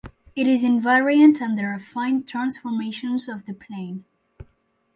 It is invariant under affine transformations of the plane.